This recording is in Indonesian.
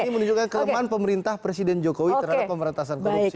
ini menunjukkan kelemahan pemerintah presiden jokowi terhadap pemberantasan korupsi